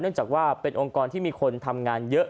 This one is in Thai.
จากว่าเป็นองค์กรที่มีคนทำงานเยอะ